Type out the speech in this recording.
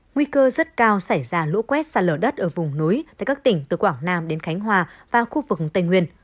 nguy cơ rất cao xảy ra lũ quét xa lở đất ở vùng núi tại các tỉnh từ quảng nam đến khánh hòa và khu vực tây nguyên